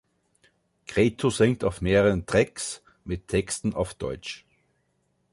Cretu singt auf mehreren Tracks, mit Texten auf Deutsch.